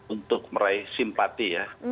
untuk meraih simpati ya